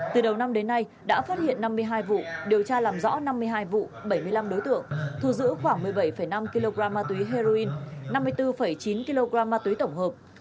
từ đầu năm đến nay đã phát hiện năm mươi hai vụ điều tra làm rõ năm mươi hai vụ bảy mươi năm đối tượng thu giữ khoảng một mươi bảy năm kg ma túy heroin năm mươi bốn chín kg ma túy tổng hợp